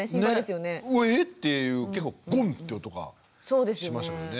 えっ⁉っていう結構「ゴン！」って音がしましたけどね。